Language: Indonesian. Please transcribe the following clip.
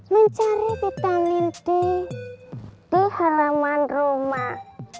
mencari vitamin di halaman rumah